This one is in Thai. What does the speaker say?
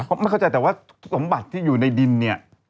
เขาไม่เข้าใจแต่ว่าสมบัติที่อยู่ในดินเนี่ย